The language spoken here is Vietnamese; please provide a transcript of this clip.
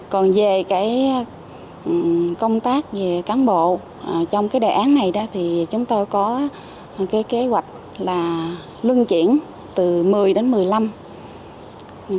còn về công tác về cán bộ trong đề án này thì chúng ta có kế hoạch là luân chuyển từ một mươi đến một mươi năm